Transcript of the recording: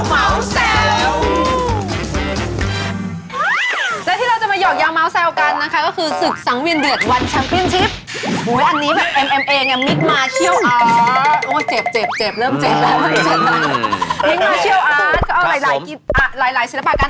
มิตรมาเชียวอาร์ตเขาเอาหลายศิลปะกัน